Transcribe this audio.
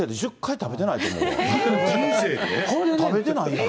食べてないやろ。